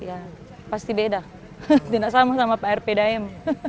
ya pasti beda tidak sama sama air pdm